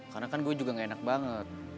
karena kan gue juga gak enak banget